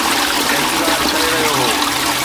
انتظار ڪري رهيو هو